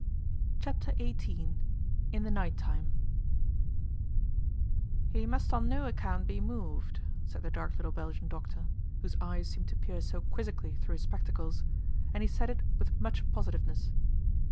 Chapter Eighteen IN THE NIGHT TIME 'HE must on no account be moved,' said the dark little Belgian doctor, whose eyes seemed to peer so quizzically through his spectacles; and he said it with much positiveness.